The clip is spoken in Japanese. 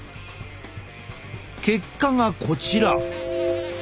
結果がこちら。